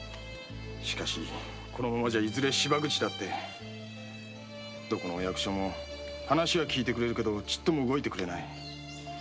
しかしこのままじゃいずれ芝口だってどこの役所も話は聞いてくれるけど動いてくれない。